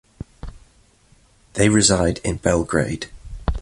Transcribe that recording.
They reside in Belgrade.